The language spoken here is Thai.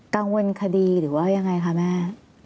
กังวลคดีหรือว่ายังไงคะแม่